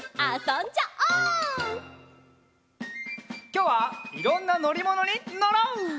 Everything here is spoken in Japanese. きょうはいろんなのりものにのろう！